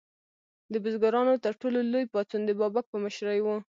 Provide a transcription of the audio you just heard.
د بزګرانو تر ټولو لوی پاڅون د بابک په مشرۍ و.